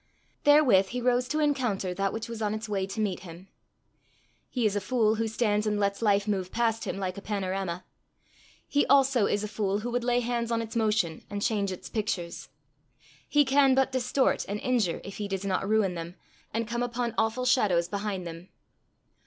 Therewith he rose to encounter that which was on its way to meet him. He is a fool who stands and lets life move past him like a panorama. He also is a fool who would lay hands on its motion, and change its pictures. He can but distort and injure, if he does not ruin them, and come upon awful shadows behind them.